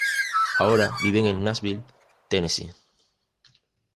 Ahora viven en Nashville, Tennessee.